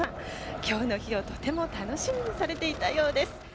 きょうの日をとても楽しみにされていたようです。